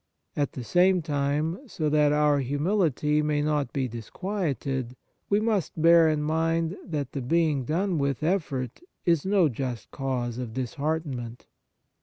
At the same time, so that our humility may not be disquieted, we must bear in mind that Kind Actions loi the being done with effort is no just cause of disheartenment.